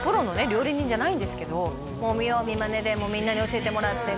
料理人じゃないんですけど「もう見よう見まねでみんなに教えてもらって」